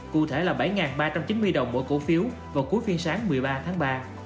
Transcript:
cụ thể là bảy ba trăm chín mươi đồng mỗi cổ phiếu vào cuối phiên sáng một mươi ba tháng ba